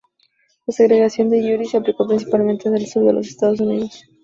La segregación "de iure" se aplicó principalmente en el sur de los Estados Unidos.